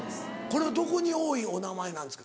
これはどこに多いお名前なんですか？